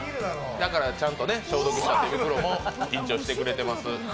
ちゃんと消毒した手袋もしてくれてます。